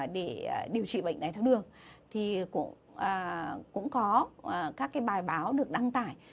để điều trị bệnh đái tháo đường thì cũng có các cái bài báo được đăng tải